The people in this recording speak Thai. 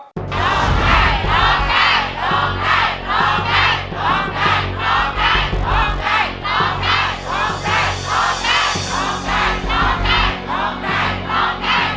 ร้องได้ร้องได้ร้องได้